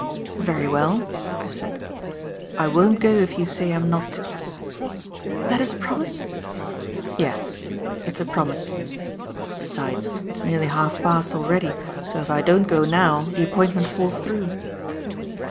"Very well," I said. "I won't go if you say I'm not to." "That is a promise?" "Yes, it's a promise. Besides, it's nearly half past already, so if I don't go now, the appointment falls through."